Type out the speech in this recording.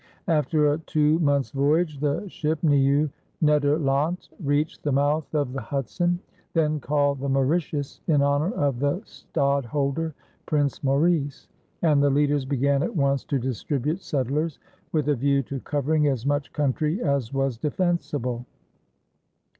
After a two months' voyage the ship Nieu Nederlandt reached the mouth of the Hudson, then called the Mauritius in honor of the Stadholder, Prince Maurice, and the leaders began at once to distribute settlers with a view to covering as much country as was defensible.